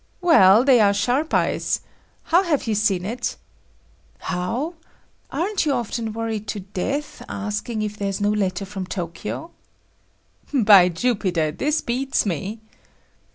"Well, they are sharp eyes. How have you seen it?" "How? Aren't you often worried to death, asking if there's no letter from Tokyo?" "By Jupiter! This beats me!"